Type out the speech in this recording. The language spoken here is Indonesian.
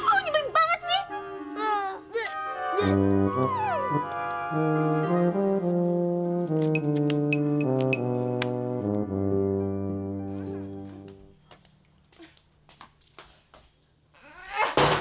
oh nyebelin banget sih